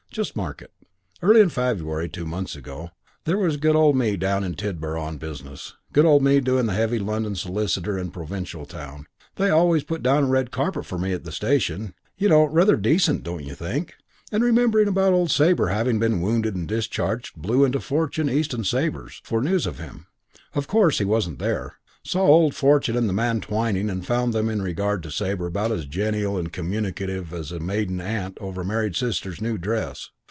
You just mark it. Early in February, two months ago. There was good old me down in Tidborough on business good old me doing the heavy London solicitor in a provincial town they always put down a red carpet for me at the station, you know; rather decent, don't you think? and remembering about old Sabre having been wounded and discharged, blew into Fortune, East and Sabre's (business wasn't with them this time) for news of him. "Of course he wasn't there. Saw old Fortune and the man Twyning and found them in regard to Sabre about as genial and communicative as a maiden aunt over a married sister's new dress.